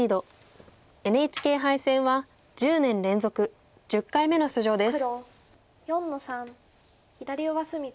ＮＨＫ杯戦は１０年連続１０回目の出場です。